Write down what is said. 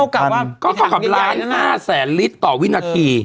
ก็เท่ากับล้าน๕แสนลิตรต่อวินาที